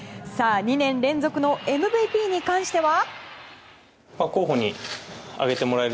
２年連続のＭＶＰに関しては。